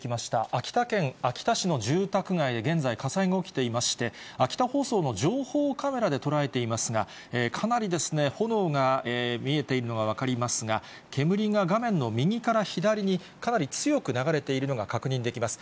秋田県秋田市の住宅街で現在、火災が起きていまして、秋田放送の情報カメラで捉えていますが、かなりですね、炎が見えているのが分かりますが、煙が画面の右から左にかなり強く流れているのが確認できます。